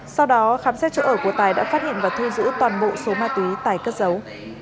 sau đó khám xét chỗ ở của tài đã phát hiện và thu giữ toàn bộ số ma túy tài cất giấu